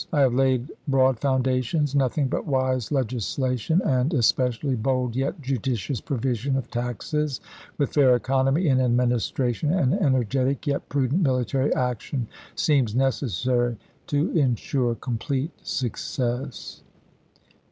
I have laid broad foundations. Nothing but wise legislation and es pecially bold yet judicious provision of taxes, with fair economy in administration and energetic yet prudent military action, ... seems necessary to insure complete success."